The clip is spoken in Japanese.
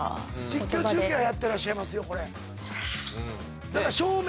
実況中継はやってらっしゃいますよこれ。